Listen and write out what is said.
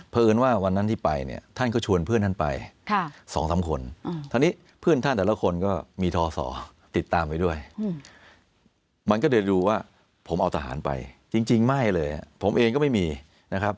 เพราะเอิญว่าวันนั้นที่ไปเนี่ยท่านก็ชวนเพื่อนท่านไป๒๓คนคราวนี้เพื่อนท่านแต่ละคนก็มีทอสอติดตามไปด้วยมันก็ได้ดูว่าผมเอาทหารไปจริงไม่เลยผมเองก็ไม่มีนะครับ